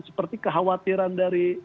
seperti kekhawatiran dari